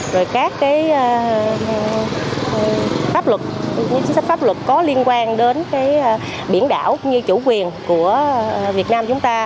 rồi các sách pháp luật có liên quan đến biển đảo như chủ quyền của việt nam chúng ta